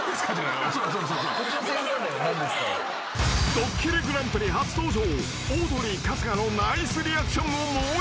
［『ドッキリＧＰ』初登場］